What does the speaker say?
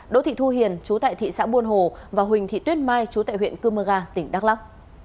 đỗ thị thu hiền chú tại thị xã buôn hồ và huỳnh thị tuyết mai chú tại huyện cư mơ ga tỉnh đắk lắc